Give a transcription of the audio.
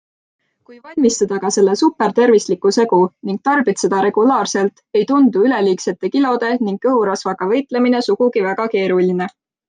Kui valmistad aga selle supertervisliku segu ning tarbid seda regulaarselt, ei tundu üleliigsete kilode ning kõhurasvaga võitlemine sugugi väga keeruline.